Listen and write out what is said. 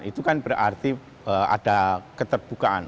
itu kan berarti ada keterbukaan